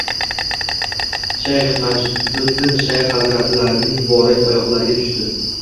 Shayx Majduddin shayx hazratlarining muborak oyogʻlarigʻa tushti